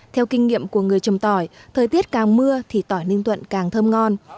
theo kinh nghiệm của người trầm tỏi thời tiết càng mưa thì tỏi ninh thuận càng thơm ngon